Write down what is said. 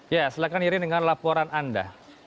ya silahkan irin dengan laporan anda